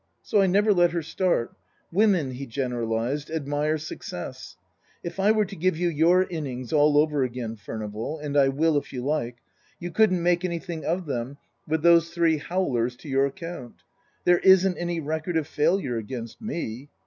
"So I never let her start. Women," he generalized, " admire success. If I were to give you your innings all over again, Furnival and I will if you like you couldn't make anything of them with those three howlers to your account. There isn't any record of failure against me.